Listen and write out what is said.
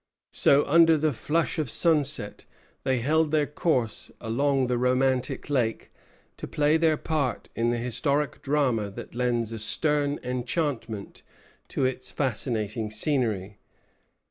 So, under the flush of sunset, they held their course along the romantic lake, to play their part in the historic drama that lends a stern enchantment to its fascinating scenery.